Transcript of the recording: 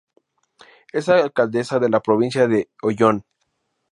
Es alcaldesa de la Provincia de Oyón.